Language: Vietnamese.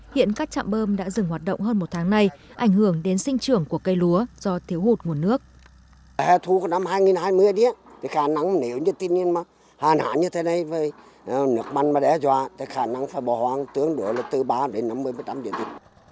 hiện các trạm bơm đã dừng hoạt động hơn một tháng nay ảnh hưởng đến sinh trưởng của cây lúa do thiếu hụt nguồn nước